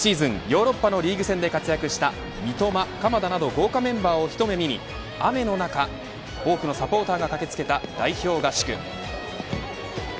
ヨーロッパのリーグ戦で活躍した三笘、鎌田など豪華メンバーを一目見に雨の中、多くのサポーターが駆けつけた代表合宿。